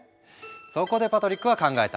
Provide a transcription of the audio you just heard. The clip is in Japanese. そこでパトリックは考えた。